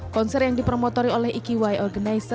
konser yang dipromotori oleh iki organizer